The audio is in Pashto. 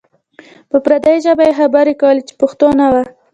په پردۍ ژبه یې خبرې کولې چې پښتو نه وه.